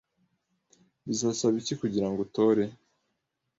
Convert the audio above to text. Bizasaba iki kugirango utore?